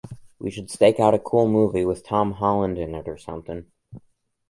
We should stake out a cool movie with Tom Holland in it or something.